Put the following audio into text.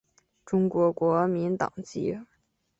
中国国民党籍。